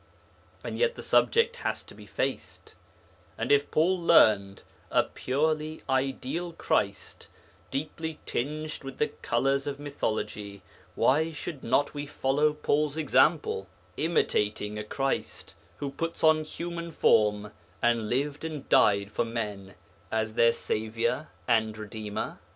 And yet the subject has to be faced, and if Paul 'learned' a purely ideal Christ, deeply tinged with the colours of mythology, why should not we follow Paul's example, imitating a Christ who put on human form, and lived and died for men as their Saviour and Redeemer?